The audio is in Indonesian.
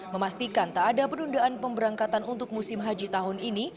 memastikan tak ada penundaan pemberangkatan untuk musim haji tahun ini